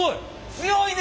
強いね。